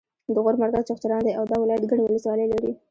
د غور مرکز چغچران دی او دا ولایت ګڼې ولسوالۍ لري